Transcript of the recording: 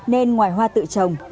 nên ngoài hoa tự trồng